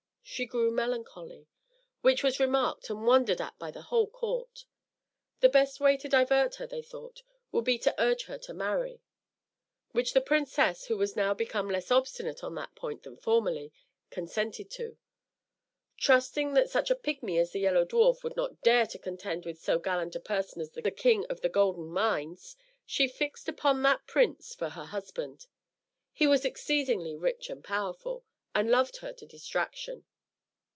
She grew melancholy, which was remarked and wondered at by the whole court. The best way to divert her, they thought, would be to urge her to marry; which the princess, who was now become less obstinate on that point than formerly, consented to. Trusting that such a pigmy as the Yellow Dwarf would not dare to contend with so gallant a person as the King of the Golden Mines, she fixed upon that prince for her husband. He was exceedingly rich and powerful, and loved her to distraction.